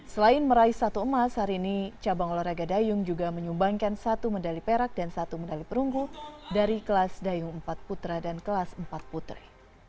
selain meraih satu emas hari ini cabang olahraga dayung juga menyumbangkan satu medali perak dan satu medali perunggu dari kelas dayung empat putra dan kelas empat putri